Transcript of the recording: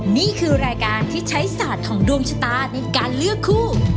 นี่คือรายการที่ใช้ศาสตร์ของดวงชะตาในการเลือกคู่